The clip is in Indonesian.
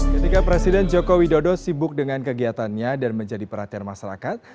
ketika presiden joko widodo sibuk dengan kegiatannya dan menjadi perhatian masyarakat